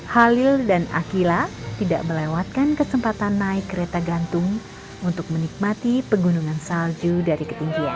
halil dan akila tidak melewatkan kesempatan naik kereta gantung untuk menikmati pegunungan salju dari ketinggian